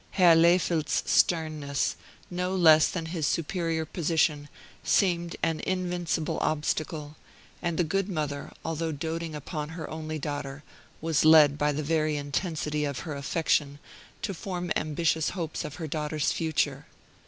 Herr Lehfeldt's sternness, no less than his superior position, seemed an invincible obstacle, and the good mother, although doting upon her only daughter, was led by the very intensity of her affection to form ambitious hopes of her daughter's future.